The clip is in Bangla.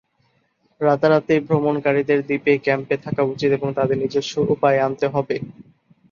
রাতারাতি ভ্রমণকারীদের দ্বীপে ক্যাম্পে থাকা উচিত এবং তাদের নিজস্ব উপায়ে আনতে হবে।